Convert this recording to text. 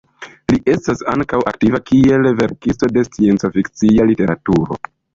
Li estas ankaŭ aktiva kiel verkisto de sciencfikcia literaturo.